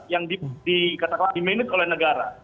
yang dikatakan di manage oleh negara